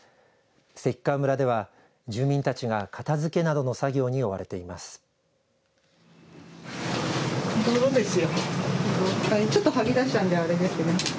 関川村では住民たちが片づけなどの作業に追われています。